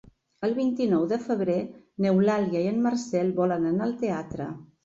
El vint-i-nou de febrer n'Eulàlia i en Marcel volen anar al teatre.